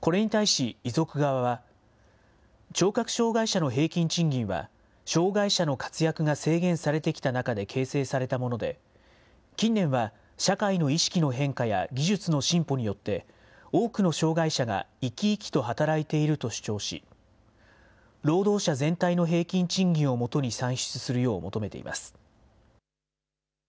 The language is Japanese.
これに対し遺族側は、聴覚障害者の平均賃金は、障害者の活躍が制限されてきた中で形成されたもので、近年は社会の意識の変化や技術の進歩によって、多くの障害者が生き生きと働いていると主張し、労働者全体の平均賃金をもとに算出するよう求めています。